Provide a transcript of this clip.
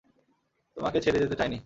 তোমাকে ছেড়ে যেতে চাইনি!